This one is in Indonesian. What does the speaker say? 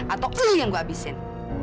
atau ee yang gue habisin